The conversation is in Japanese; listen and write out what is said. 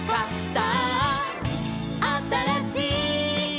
「さああたらしい」